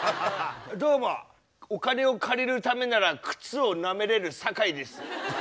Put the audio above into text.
どうもお金を借りるためなら靴をなめれる酒井です。